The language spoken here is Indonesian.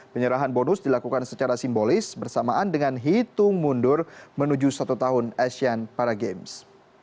penyerahan bonus dilakukan secara simbolis bersamaan dengan hitung mundur menuju satu tahun asean paragames